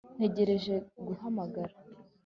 Ntegereje guhamagara